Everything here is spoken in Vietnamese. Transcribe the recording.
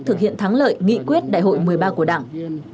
thực hiện thắng lợi nghị quyết đại hội một mươi ba của đảng